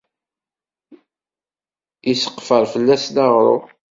Isseqfer fell-asen aɣrum.